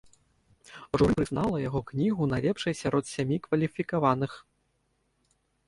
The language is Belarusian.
Журы прызнала яго кнігу найлепшай сярод сямі кваліфікаваных.